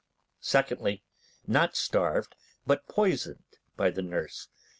Secondly, not starved, but poisoned by the nurse.